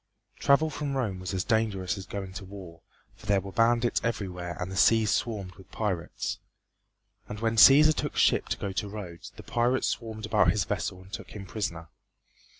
Travel from Rome was as dangerous as going to war, for there were bandits everywhere and the seas swarmed with pirates. And when Cæsar took ship to go to Rhodes, the pirates swarmed about his vessel and took him prisoner.